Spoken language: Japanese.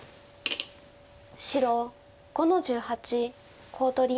白５の十八コウ取り。